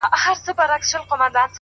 • سر کي ښکر شاته لکۍ ورکړه باداره,